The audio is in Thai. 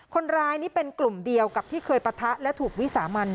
คนร้ายนี่เป็นกลุ่มเดียวกับที่เคยปะทะและถูกวิสามัน